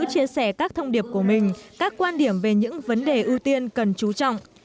chia sẻ các thông điệp của mình các quan điểm về những vấn đề ưu tiên cần chú trọng